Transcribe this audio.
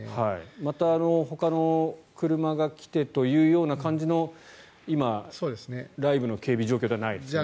またほかの車が来てという感じの今、ライブの警備状況ではないですね。